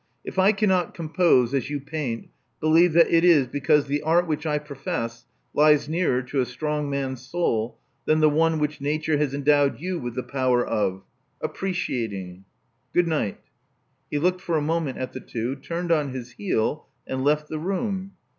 If I cannot compose as you paint, believe that it is because the art which I profess lies nearer to a strong man's soul than one which nature has endowed you with the power of — appreciating. Good night." He looked for a moment at the two; turned on his heel; and left the room.